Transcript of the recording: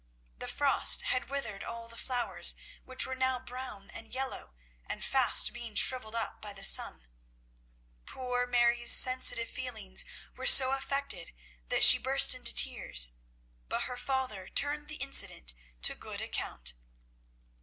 The frost had withered all the flowers, which were now brown and yellow and fast being shrivelled up by the sun. Poor Mary's sensitive feelings were so affected that she burst into tears, but her father turned the incident to good account.